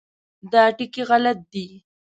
دا ټکي غلط دي.